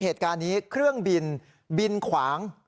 เหตุการณ์นี้เครื่องบินบินขวาง